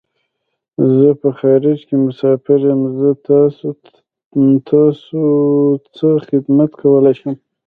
زه په خارج کی مسافر یم . زه تاسو څه خدمت کولای شم